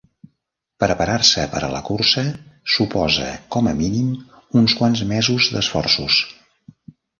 Preparar-se per a la cursa suposa com a mínim uns quants mesos d'esforços.